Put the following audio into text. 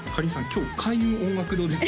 今日開運音楽堂です